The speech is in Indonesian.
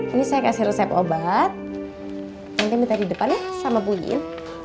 ini saya kasih resep obat nanti minta di depan ya sama bu yil